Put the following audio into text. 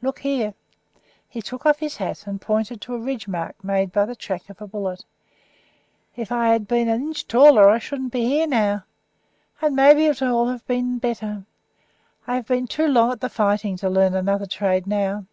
Look here," he took off his hat and pointed to a ridge made by the track of a bullet, "if I had been an inch taller I shouldn't be here now. And maybe it would have been all the better. I have been too long at the fighting to learn another trade now.